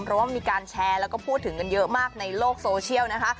เพราะว่ามีการแชร์แล้วก็พูดถึงกันเยอะมากในโลกโซเชียลนะคะ